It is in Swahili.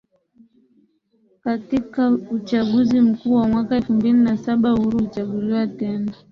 Katika uchaguzi mkuu wa mwaka elfu mbili na saba Uhuru alichaguliwa tena